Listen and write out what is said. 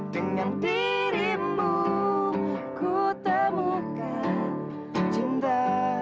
dengan dirimu ku temukan cinta